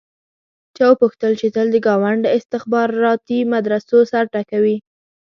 چا وپوښتل چې تل د ګاونډ له استخباراتي مدرسو سر ټکوې.